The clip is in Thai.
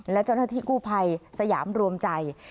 และเจ้าหน้าที่กู้ภัยสยามรวมใจ